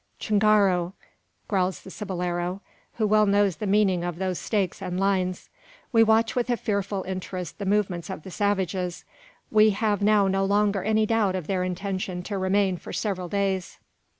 chingaro!" growls the cibolero, who well knows the meaning of those stakes and lines. We watch with a fearful interest the movements of the savages. We have now no longer any doubt of their intention to remain for several days.